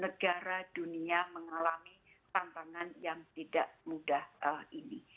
negara dunia mengalami tantangan yang tidak mudah ini